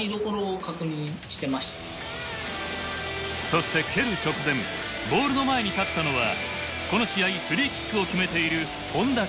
そして蹴る直前ボールの前に立ったのはこの試合フリーキックを決めている本田圭佑。